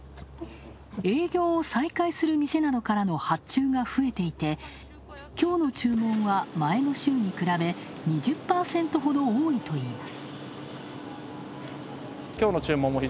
営業を再開する店などからの発注が増えていてきょうの注文は前の週に比べ２０％ほど多いといいます。